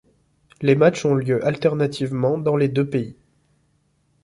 Les matches ont lieu alternativement dans les deux pays.